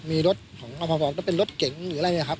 มีรถของอภสายใหม่เป็นรถเก๋งหรืออะไรเนี่ยครับ